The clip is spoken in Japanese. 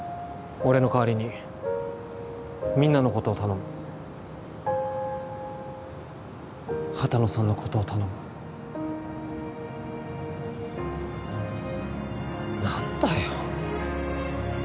俺の代わりにみんなのことを頼む畑野さんのことを頼む何だよ